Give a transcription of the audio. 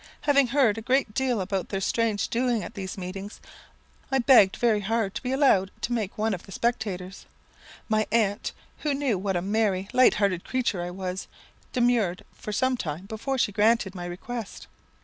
Having heard a great deal about their strange doings at these meetings, I begged very hard to be allowed to make one of the spectators. My aunt, who knew what a merry, light hearted creature I was, demurred for some time before she granted my request.